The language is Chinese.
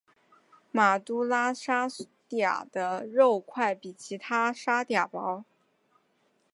马都拉沙嗲使用的肉块比其他沙嗲薄。